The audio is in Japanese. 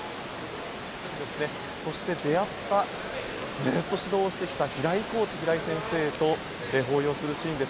ずっと指導をしてきた平井コーチ平井先生と抱擁するシーンです。